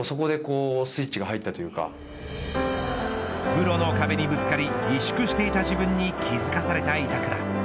プロの壁にぶつかり萎縮していた自分に気付かされた板倉。